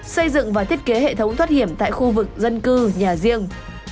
xây dựng và thiết kế hệ thống thoát hiểm tại khu vực dân cư nhà riêng